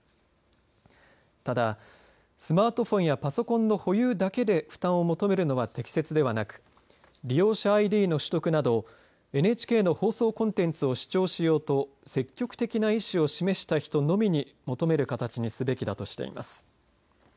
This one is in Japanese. ただ、スマートフォンやパソコンの保有だけで負担を求めるのは適切ではなく利用者ＩＤの取得などＮＨＫの放送コンテンツを視聴しようと積極的な意思を示した人のみに求める形にすべきだとしています。